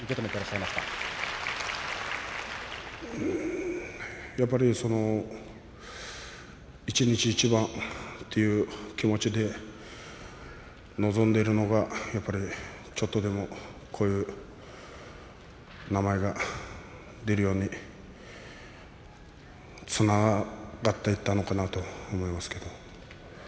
うーんやっぱりその一日一番という気持ちで臨んでいるのがやっぱりちょっとでも、こういう名前が出るようにつながっていったのかなと思いますけど。